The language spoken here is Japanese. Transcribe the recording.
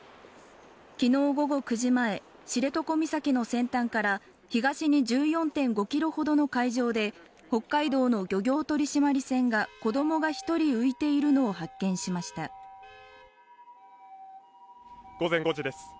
昨日午後９時前知床岬の先端から東に１４．５キロほどの海上で北海道の漁業取締船が子供が一人浮いているのを発見しました午前５時です